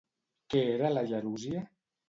Què era la gerúsia?